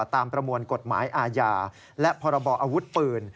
ประมวลกฎหมายอาญาและพรบออาวุธปืน